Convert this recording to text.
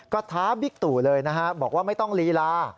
ก็ท้าบิ๊กตู่เลยนะฮะบอกว่าไม่ต้องลีลา